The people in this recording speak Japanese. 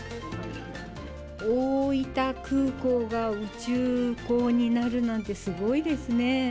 大分空港が宇宙港になるなんてすごいですね。